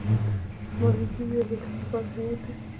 مالدیو یو د ټاپوګانو هېواد دی.